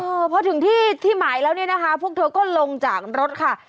เออเพราะถึงที่หมายแล้วเนี่ยนะคะพวกเธอก็ลงจากรถค่ะ